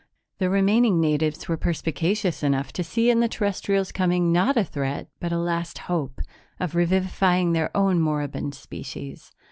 The remaining natives were perspicacious enough to see in the Terrestrials' coming not a threat but a last hope of revivifying their own moribund species.